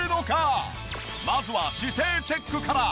まずは姿勢チェックから。